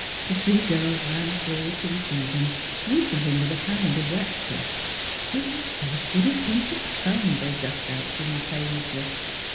The three girls ran forward to receive him, greeting him with a kind of rapture. It was so good of him to come, they gushed out simultaneously.